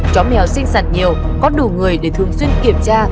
chó mèo sinh sản nhiều có đủ người để thường xuyên kiểm tra